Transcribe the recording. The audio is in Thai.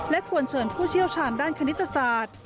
ควรเชิญผู้เชี่ยวชาญด้านคณิตศาสตร์